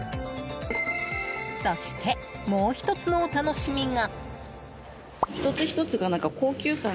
そして、もう１つのお楽しみが。